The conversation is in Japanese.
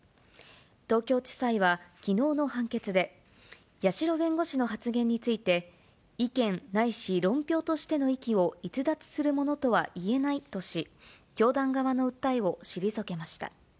東京地裁はきのうの判決で、八代弁護士の発言について、意見ないし論評としての域を逸脱するものとはいえないとし、教団側の訴えを退けました。